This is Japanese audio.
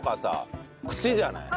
口じゃない？